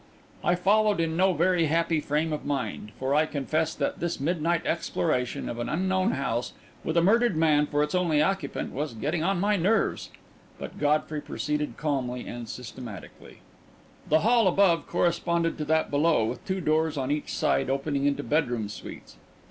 I followed in no very happy frame of mind, for I confess that this midnight exploration of an unknown house, with a murdered man for its only occupant, was getting on my nerves. But Godfrey proceeded calmly and systematically. The hall above corresponded to that below, with two doors on each side, opening into bedroom suites.